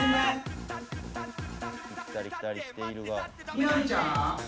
みなみちゃん？